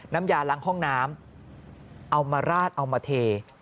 น้ำยาล้างห้องน้ำเอามาราดเอามาเท